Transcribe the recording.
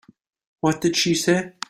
What did she say?